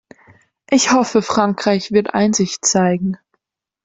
Ich hoffe, Frankreich wird Einsicht zeigen.